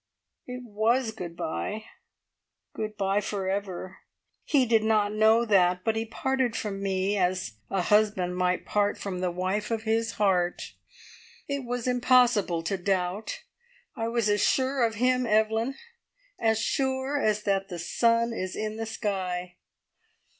"It was good bye good bye for ever. He did not know that, but he parted from me as a husband might from the wife of his heart. It was impossible to doubt. I was as sure of him, Evelyn as sure as that the sun is in the sky!